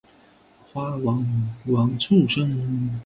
花往往簇生。